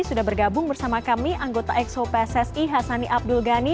sudah bergabung bersama kami anggota xopssi hassani abdul ghani